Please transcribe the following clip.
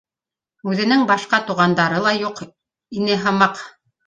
— Үҙенең башҡа туғандары ла юҡ ине һымаҡ